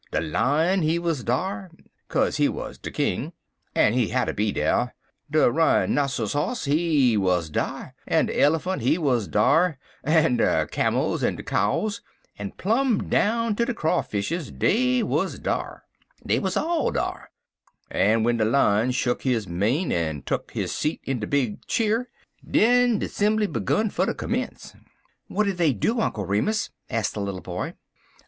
De Lion, he wuz dar, kase he wuz de king, en he hatter be der. De Rhynossyhoss, he wuz dar, en de Elephant, he wuz dar, en de Cammils, en de Cows, en plum' down ter de Crawfishes, dey wuz dar. Dey wuz all dar. En w'en de Lion shuck his mane, en tuck his seat in de big cheer, den de sesshun begun fer ter commence. "What did they do, Uncle Remus?" asked the little boy.